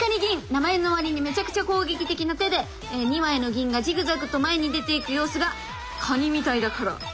名前のわりにめちゃくちゃ攻撃的な手で２枚の銀がジグザグと前に出ていく様子がカニみたいだから。